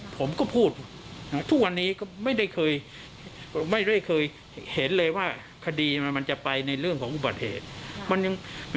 ผมก็พูดทุกวันนี้ก็ไม่ได้เคยไม่ได้เคยเห็นเลยว่าคดีมันจะไปในเรื่องของอุบัติเหตุ